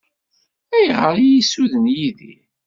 Ayɣer i yi-ssuden Yidir?